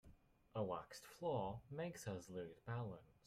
A waxed floor makes us lose balance.